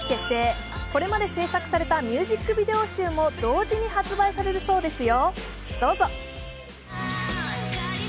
これまで制作されたミュージックビデオ集も同時に発売されるそうですよ。